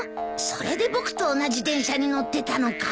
それで僕と同じ電車に乗ってたのか。